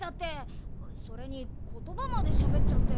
それにことばまでしゃべっちゃって。